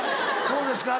どうですか？